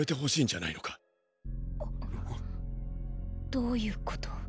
どういうこと？